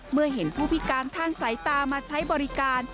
เมื่อเห็นผู้พิการทางสายตามาใช้บริการ